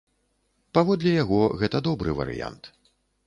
Паводле яго, гэта добры варыянт.